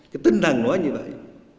cái tính năng nói như vậy